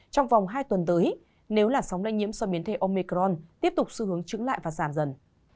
trong vòng hai tuần tới nếu là sóng lây nhiễm so với biến thể omicron tiếp tục xu hướng chứng lại và giảm dần